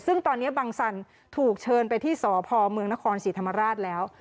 ซึ่งตอนนี้บังสันถูกเชิญไปที่สพเมืองนครศรีธรรมราชแล้ว